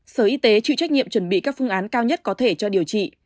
sở y tế chịu trách nhiệm chuẩn bị các phương án cao nhất có thể cho điều trị